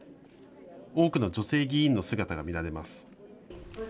多くの女性議員の姿が見られます。